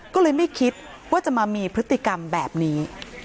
ก็เลยไม่คิดว่าจะมามีพฤติกรรมแบบนี้